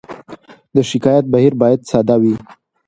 د شکایت بهیر باید ساده وي.